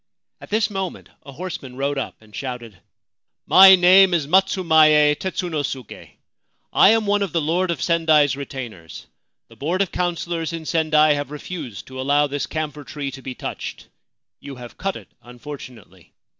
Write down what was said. At this moment a horseman rode up and shouted :' My name is Matsumaye Tetsunosuke. I am one of the Lord of Sendai's retainers. The board of councillors in Sendai have refused to. allow this camphor tree to be touched. You have cut it, unfortunately.